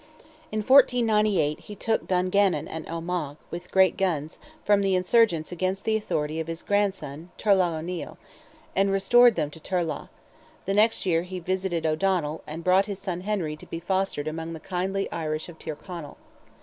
In 1498, he took Dungannon and Omagh, "with great guns," from the insurgents against the authority of his grandson, Turlogh O'Neil, and restored them to Turlogh; the next year he visited O'Donnell, and brought his son Henry to be fostered among the kindly Irish of Tyrconnell.